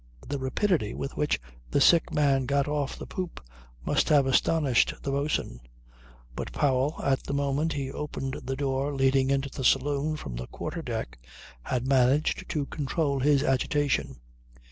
The rapidity with which the sick man got off the poop must have astonished the boatswain. But Powell, at the moment he opened the door leading into the saloon from the quarter deck, had managed to control his agitation.